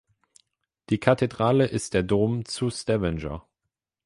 Die Kathedrale ist der Dom zu Stavanger.